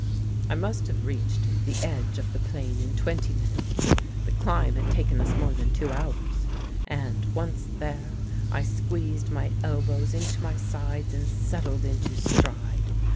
"I must have reached the edge of the plain in twenty minutes (the climb had taken us more than two hours), and, once there, I squeezed my elbows into my sides and settled into stride.